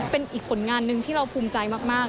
เป็นอีกผลงานหนึ่งที่เราภูมิใจมาก